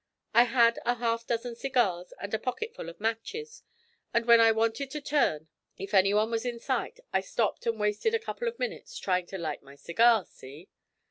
I had a half dozen cigars and a pocket full of matches, and when I wanted to turn, if anyone was in sight, I stopped and wasted a couple of minutes trying to light my cigar see?'